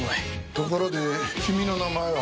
ところで君の名前は？